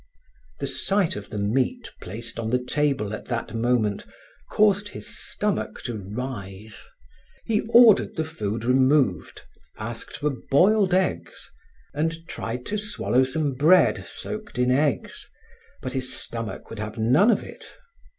The sight of the meat placed on the table at that moment caused his stomach to rise. He ordered the food removed, asked for boiled eggs, and tried to swallow some bread soaked in eggs, but his stomach would have none of it.